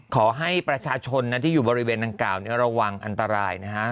ขอให้ประชาชนที่อยู่บริเวณดังกล่าวระวังอันตรายนะฮะ